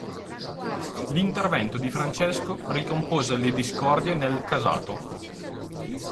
L'intervento di Francesco ricompose le discordie nel casato.